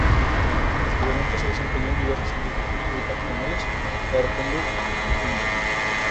Posteriormente se desempeñó en diversas instituciones educacionales de la Región de Coquimbo.